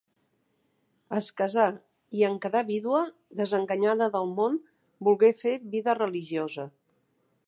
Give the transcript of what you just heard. Es casà i en quedar vídua, desenganyada del món, volgué fer vida religiosa.